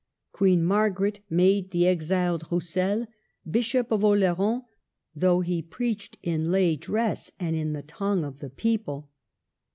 Queen Margaret made the exiled Roussel Bishop of Oloron, though he preached in lay dress, and in the tongue of the people.